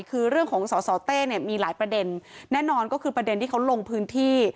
คือเรื่องของสสเต้เนี่ยมีหลายประเด็นแน่นอนก็คือประเด็นที่เขาลงพื้นที่